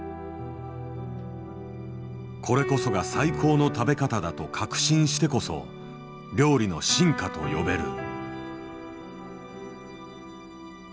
これこそが最高の食べ方だと確信してこそ料理の進化と呼べる。